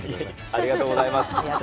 ありがとうございます。